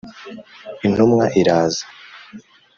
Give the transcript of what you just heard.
Intumwa iraza.